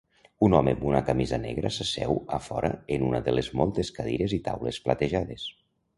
Un home amb una camisa negra s'asseu a fora en una de les moltes cadires i taules platejades.